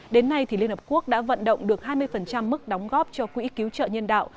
đến nay liên hợp quốc đã vận động được hai mươi mức đóng góp cho quỹ cứu trợ nhân đạo